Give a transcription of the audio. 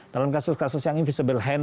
dalam kasus kasus yang invisible hand